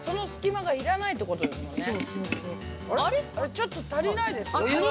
ちょっと足りないですよ。